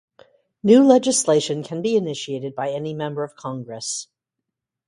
New legislation can be initiated by any member of Congress.